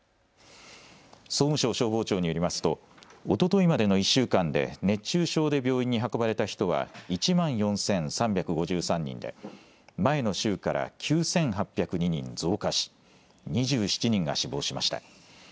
総務省消防庁によりますとおとといまでの１週間で熱中症で病院に運ばれた人は１万４３５３人で前の週から９８０２人増加し２７人が死亡しました。